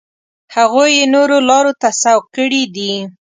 هغوی یې نورو لارو ته سوق کړي دي.